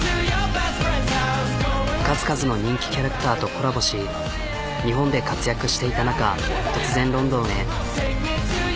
数々の人気キャラクターとコラボし日本で活躍していた中突然ロンドンへ。